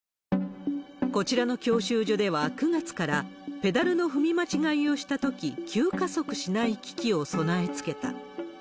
こちらの教習所では、９月からペダルの踏み間違いをしたとき、急加速しない機器を備え付けた。